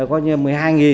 coi như một mươi hai